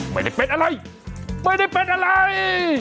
ไม่ได้เป็นอะไรไม่ได้เป็นอะไร